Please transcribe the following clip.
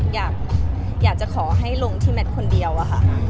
อยากจะขอให้ลงที่แมทคนเดียวอะค่ะ